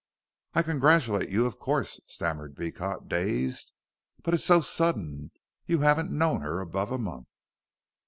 "I congratulate you, of course," stammered Beecot, dazed; "but it's so sudden. You haven't known her above a month."